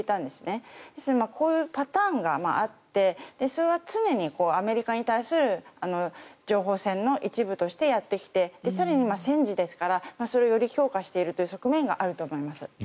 ですのでこういうパターンがあってそれは常にアメリカに対する情報戦の一部としてやってきて更に、戦時ですから、それをより強化しているという面もあると思います。